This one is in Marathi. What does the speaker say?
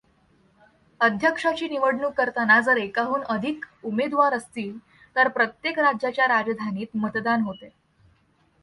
अध्यक्षाची निवडणूक करताना जर एकाहून अधिक उमेदवार असतील तर प्रत्येक राज्याच्या राजधानीत मतदान होते.